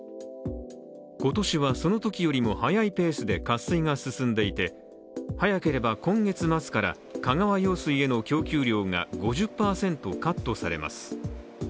今年はそのときよりも速いペースで渇水が進んでいて早ければ今月末から香川用水への供給量が５０％カットされます。